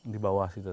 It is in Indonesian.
di bawah situ